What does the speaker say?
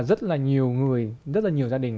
rất là nhiều người rất là nhiều gia đình